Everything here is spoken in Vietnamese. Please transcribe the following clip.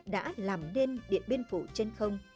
đã làm nên điện bên phủ trên không